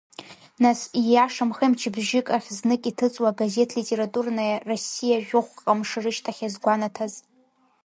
Нас ииашамхеи мчыбжьык ахь знык иҭыҵуа агазеҭ литературнаиа Россиа жәохәҟа мшы рышьҭахь иазгәанаҭаз…